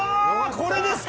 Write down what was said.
これですか！